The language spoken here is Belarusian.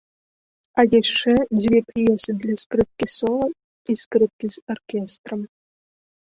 А яшчэ дзве п'есы для скрыпкі-сола і скрыпкі з аркестрам.